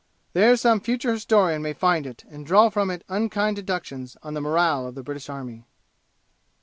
There some future historian may find it and draw from it unkind deductions on the morale of the British army.